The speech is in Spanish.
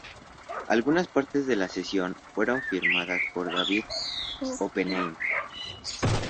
Algunas partes de la sesión fueron filmadas por David Oppenheim.